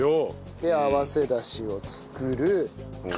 で合わせダシを作る。